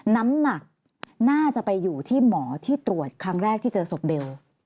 น้ำหนักน่าจะไปอยู่ที่หมอที่ตรวจครั้งแรกที่เจอศพเบล